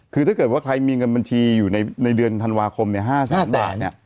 คือถ้าเกิดว่าใครมีเงินบัญชีอยู่ในเดือนธันวาคม๕แสนบาท